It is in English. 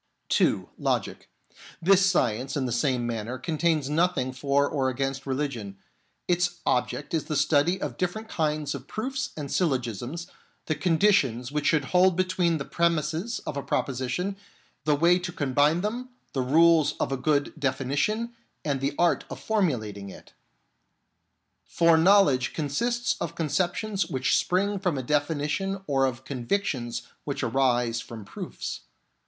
(2) Logic. This science, in the same manner, DANGERS OF LOGIC 31 contains nothing for or against religion. Its object is the study of different kinds of proofs and syllogisms, the conditions which should hold be tween the premises of a proposition, the way to combine them, the rules of a good definition, and the art of formulating it. For knowledge consists of conceptions which spring from a definition or of convictions which arise from proofs.